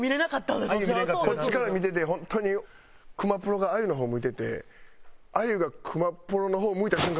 こっちから見てて本当に熊プロがあゆの方向いててあゆが熊プロの方向いた瞬間